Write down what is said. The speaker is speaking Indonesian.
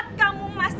hebat kamu mas ya